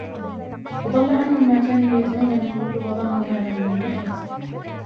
وَضَلَّ عَنْهُمْ مَا كَانُوا يَدْعُونَ مِنْ قَبْلُ وَظَنُّوا مَا لَهُمْ مِنْ مَحِيصٍ